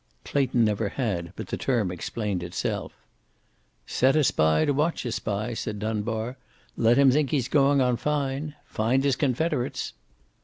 Clayton never had, but the term explained itself. "Set a spy to watch a spy," said Dunbar. "Let him think he's going on fine. Find his confederates.